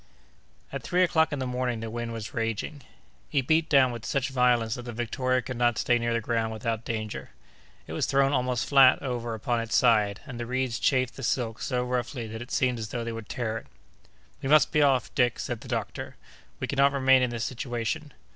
At three o'clock in the morning the wind was raging. It beat down with such violence that the Victoria could not stay near the ground without danger. It was thrown almost flat over upon its side, and the reeds chafed the silk so roughly that it seemed as though they would tear it. "We must be off, Dick," said the doctor; "we cannot remain in this situation."